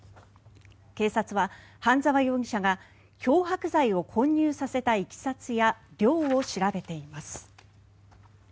警察は半澤容疑者が漂白剤を混入させたいきさつや量を調べています。